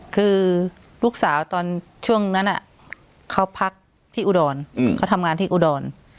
คือลูกสาวตอนช่วงนั้นเขาพักที่อุดรเขาทำงานที่อุดร